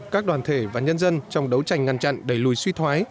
các đoàn thể và nhân dân trong đấu tranh ngăn chặn đẩy lùi suy thoái